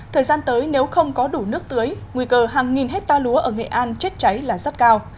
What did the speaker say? thời gian tới nếu không có đủ nước tưới nguy cơ hàng nghìn hectare lúa ở nghệ an chết cháy là rất cao